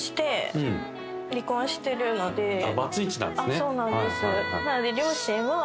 そうなんです。